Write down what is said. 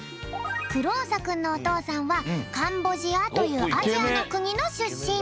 クローサくんのおとうさんはカンボジアというアジアのくにのしゅっしん。